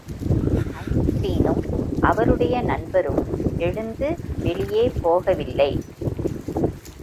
ஐன்ஸ்டீனும் அவருடைய நண்பரும் எழுந்து வெளியே போகவில்லை.